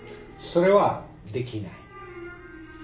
それはできない。